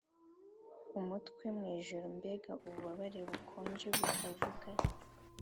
umutwe mwijoro! mbega ububabare bukonje, butavuga